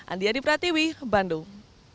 andi adi pratiwi bandung